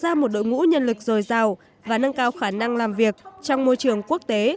sẽ tạo ra một đội ngũ nhân lực rồi giàu và nâng cao khả năng làm việc trong môi trường quốc tế